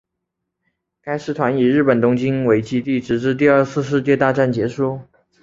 该师团以日本东京为基地直至第二次世界大战结束。